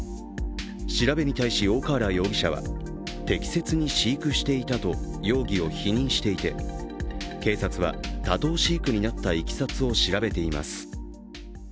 調べに対し、大河原容疑者は適切に飼育していたと容疑を否認していて、警察は多頭飼育になったいきさつを調べています。